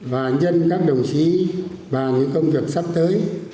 và nhân các đồng chí và người công việc sắp tới